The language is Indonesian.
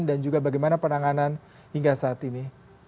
dan juga bagaimana penanganan hingga saat ini